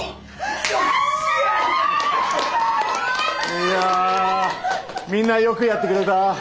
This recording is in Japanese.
いやみんなよくやってくれた。